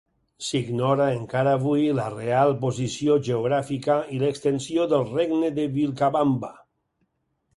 S'ignora encara avui la real posició geogràfica i l'extensió del regne de Vilcabamba.